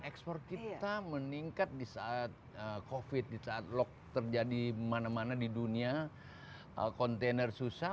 ekspor kita meningkat di saat covid di saat lock terjadi mana mana di dunia kontainer susah